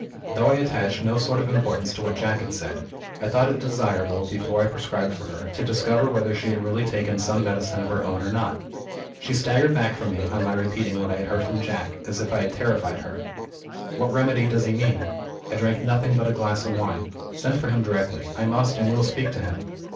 Though I attached no sort of importance to what Jack had said, I thought it desirable, before I prescribed for her, to discover whether she had really taken some medicine of her own or not. She staggered back from me, on my repeating what I had heard from Jack, as if I had terrified her. 'What remedy does he mean? I drank nothing but a glass of wine. Send for him directly I must, and will speak to him!'